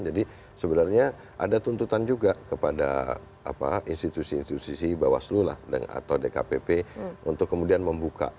jadi sebenarnya ada tuntutan juga kepada institusi institusi bawaslu lah atau dkpp untuk kemudian membuka